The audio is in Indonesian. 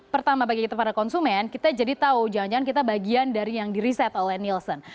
pertama bagi kita para konsumen kita jadi tahu jangan jangan kita bagian dari yang di riset oleh nielsen